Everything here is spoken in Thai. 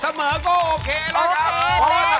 เสมอก็โอเคแล้วครับ